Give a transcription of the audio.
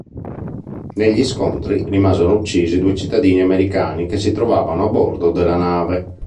Negli scontri rimasero uccisi due cittadini americani che si trovavano a bordo della nave.